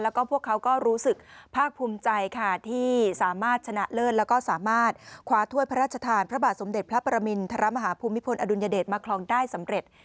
แล้วก็พวกเขาก็รู้สึกภาคภูมิใจค่ะที่สามารถชนะเลิศแล้วก็สามารถคว้าถ้วยพระราชทานพระบาทสมเด็จพระประมินทรมาฮภูมิพลอดุลยเดชมาคลองได้สำเร็จ